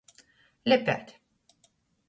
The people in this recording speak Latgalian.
Lepēt.